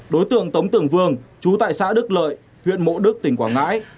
đối tượng tống tưởng vương chú tại xã đức lợi huyện mộ đức tỉnh quảng ngãi